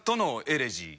エレジー？